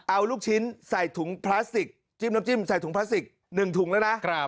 เอาลูกชิ้นใส่ถุงพลาสติกจิ้มน้ำจิ้มใส่ถุงพลาสติก๑ถุงแล้วนะ